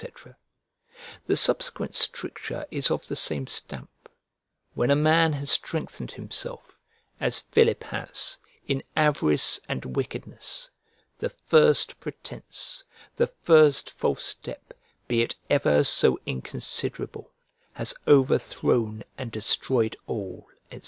The subsequent stricture is of the same stamp: "When a man has strengthened himself, as Philip has, in avarice and wickedness, the first pretence, the first false step, be it ever so inconsiderable, has overthrown and destroyed all," &c.